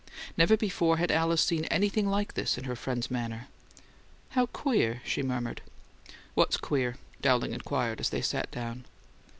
Never before had Alice seen anything like this in her friend's manner. "How queer!" she murmured. "What's queer?" Dowling inquired as they sat down.